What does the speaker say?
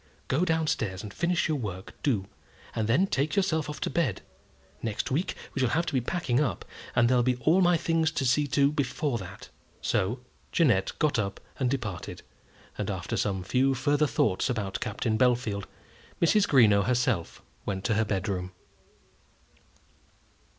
"Go down stairs and finish your work, do; and then take yourself off to bed. Next week we shall have to be packing up, and there'll be all my things to see to before that." So Jeannette got up and departed, and after some few further thoughts about Captain Bellfield, Mrs. Greenow herself went to her bedroom.